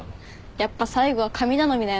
やっぱ最後は神頼みだよね。